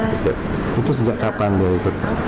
itu sejak kapan pak